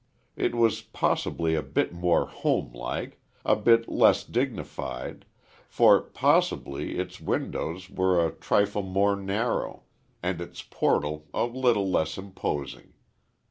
It was possibly a bit more homelike a bit less dignified; for, possibly, its windows were a trifle more narrow, and its portal a little less imposing.